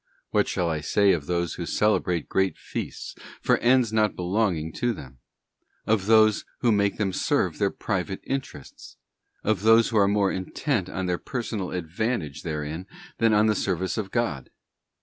What shall I say of those who celebrate great feasts for ends not belonging to them? of those who make them serve their private interests ? of those who are more intent on their personal advantage therein than on the service of God?